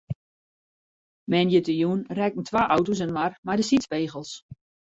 Moandeitejûn rekken twa auto's inoar mei de sydspegels.